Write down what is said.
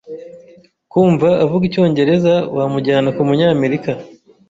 Kumva avuga icyongereza, wamujyana kumunyamerika.